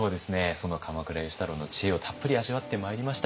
その鎌倉芳太郎の知恵をたっぷり味わってまいりました。